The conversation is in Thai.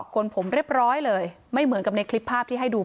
กลผมเรียบร้อยเลยไม่เหมือนกับในคลิปภาพที่ให้ดู